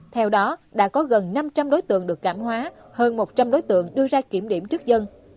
theo đó đã có gần năm trăm linh đối tượng được cảm hóa hơn một trăm linh đối tượng đưa ra kiểm điểm trước dân